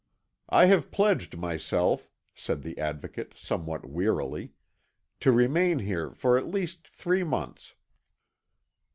"I have pledged myself," said the Advocate somewhat wearily, "to remain here for at least three months."